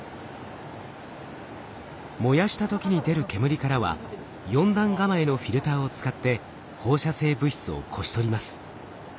燃やした時に出る煙からは４段構えのフィルターを使って放射性物質をこし取ります。